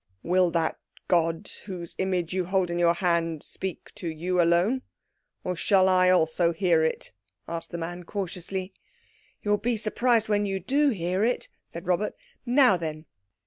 "Will that god whose image you hold in your hand speak to you alone, or shall I also hear it?" asked the man cautiously. "You'll be surprised when you do hear it," said Robert. "Now, then."